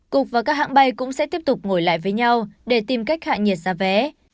cục và các hãng bay cũng sẽ tiếp tục ngồi lại với nhau để tìm cách hạ nhiệt giá vé